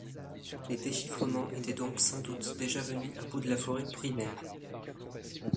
Les défrichements étaient donc sans doute déjà venus à bout de la forêt primaire.